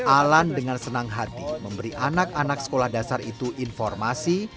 alan dengan senang hati memberi anak anak sekolah dasar itu informasi